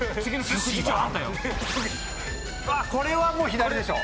これはもう左でしょ。